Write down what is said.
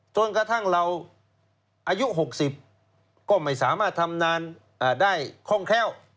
จนกระทั่งเราอายุ๖๐ก็ไม่สามารถทำนานได้คล่องแคล่ว